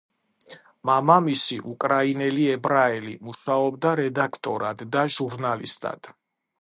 მამამისი, უკრაინელი ებრაელი, მუშაობდა რედაქტორად და ჟურნალისტად.